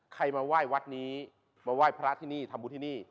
ใครมาไหว้วัดนี้มาไหว้พระที่นี่ทำบุญที่นี่